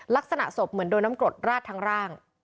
ลักษณะศพเหมือนโดนน้ำกรดราดทั้งร่าง